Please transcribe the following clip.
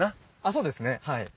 そうですねはい。